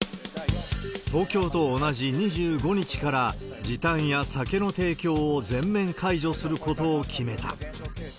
東京と同じ２５日から時短や酒の提供を全面解除することを決めた。